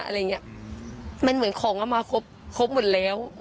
อันนี้มันเหมือนอะมีรสของมาครบหมดแล้ว